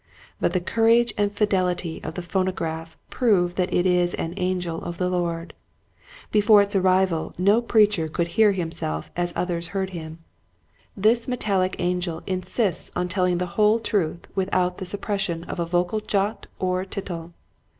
But the courage and fidelity of the phono graph prove that it is an angel of the Lord. Before its arrival no preacher could hear himself as others heard him, 172 Quiet Hints to Growing Preachers. This metallic angel insists on telling the whole truth without the suppression of a vocal jot or tittle.